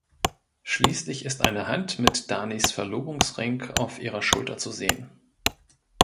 Schließlich ist eine Hand mit Danis Verlobungsring auf ihrer Schulter zu sehen.